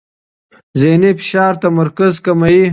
ذهني فشار تمرکز کموي.